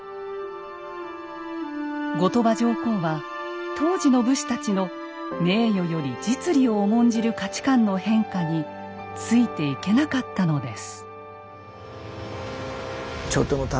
後鳥羽上皇は当時の武士たちの名誉より実利を重んじる価値観の変化についていけなかったのです。